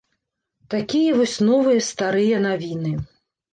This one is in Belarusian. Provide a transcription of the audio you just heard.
Такія вось новыя старыя навіны.